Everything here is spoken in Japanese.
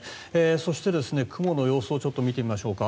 そして雲の様子をちょっと見てみましょうか。